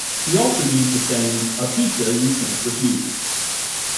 He also used the sayings A pizza you can't refuse!